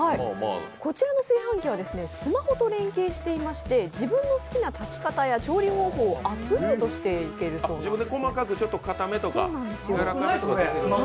こちらの炊飯器はスマホと連携していまして自分の好きな炊き方や調理方法をアップロードしていけるそうです。